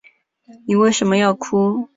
妳为什么要哭